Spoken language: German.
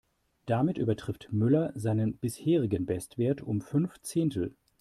Damit übertrifft Müller seinen bisherigen Bestwert um fünf Zehntel.